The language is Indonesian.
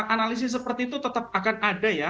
analisi seperti itu tetap akan ada